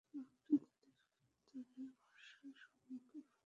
লোকটি তাদেরকে তাদের বাদশাহর সম্মুখে ফেলল।